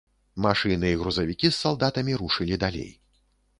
Машыны і грузавікі з салдатамі рушылі далей.